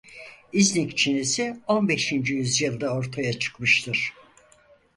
İznik çinisi on beşinci yüzyılda ortaya çıkmıştır.